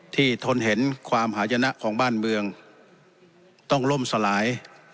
ทนเห็นความหายนะของบ้านเมืองต้องล่มสลาย